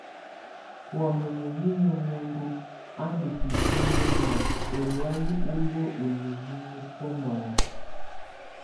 Wamɛ̀á munyinyǝ muǝndu á ndù mǝpuŋkǝ nɔ̀á ɛlɔ̀áyɛ u luǝ́ ú nioni nɛ bunɔŋɔ.